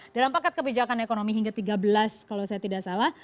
dalam paket kebijakan ekonomi hingga tiga belas kalau saya tidak salah